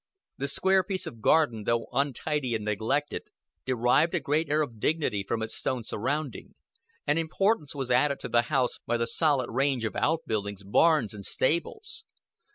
The square piece of garden, though untidy and neglected, derived a great air of dignity from its stone surrounding, and importance was added to the house by the solid range of outbuildings, barns, and stables.